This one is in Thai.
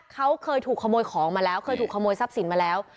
เขาเคยถูกขโมยของมาแล้วเคยถูกขโมยทรัพย์สินมาแล้ว